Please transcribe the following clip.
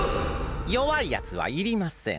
よわいやつはいりません。